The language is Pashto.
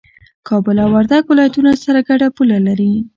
کابل او وردګ ولايتونه سره ګډه پوله لري